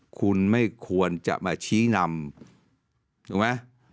คุณไม่ควรจะมาชี้นำถูกไหม